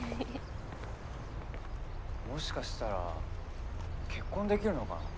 もしかしたら結婚できるのかな？